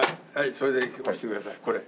それで押してくださいこれ。